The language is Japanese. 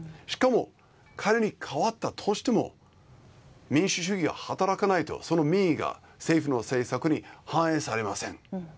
しかも仮に変わったとしても民主主義が働かないとその民意が政府の政策に反映されません。